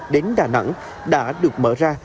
đến đà nẵng đã được mở ra